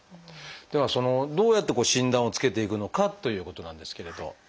ではどうやって診断をつけていくのかということなんですけれど。